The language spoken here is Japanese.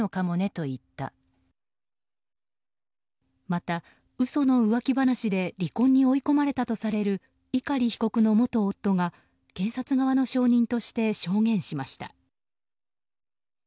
また嘘の浮気話で離婚に追い込まれたとされる碇被告の元夫が検察側の証人として証言しました。